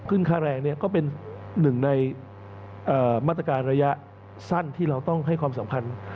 ค่าแรงก็เป็นหนึ่งในมาตรการระยะสั้นที่เราต้องให้ความสำคัญ